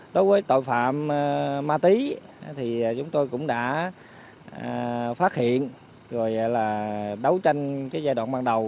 đối với tội phạm ma túy chúng tôi cũng đã phát hiện đấu tranh giai đoạn ban đầu